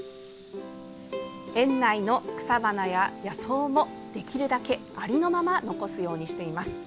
園内の草花や野草もできるだけありのまま残すようにしています。